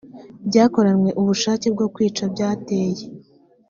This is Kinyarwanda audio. byakoranywe ubushake bwo kwica byateye